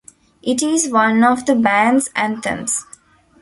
It is one of the band's "anthems".